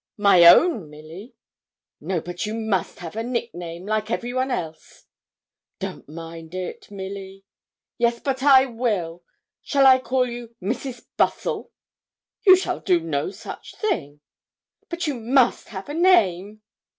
'My own, Milly.' 'No, but you must have a nickname, like every one else.' 'Don't mind it, Milly.' 'Yes, but I will. Shall I call you Mrs. Bustle?' 'You shall do no such thing.' 'But you must have a name.'